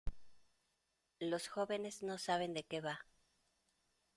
Los jóvenes no saben de qué va.